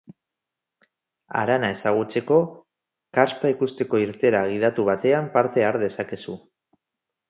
Harana ezagutzeko, karsta ikusteko irteera gidatu batean parte har dezakezu.